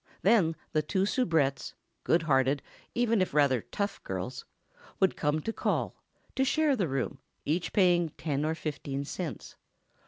Then the two soubrettes—good hearted, even if rather tough, girls—would come to "call," to share the room, each paying ten or fifteen cents.